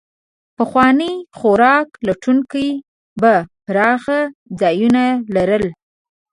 پخواني خوراک لټونکي به پراخه ځایونه لرل.